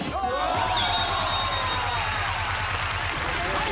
はい。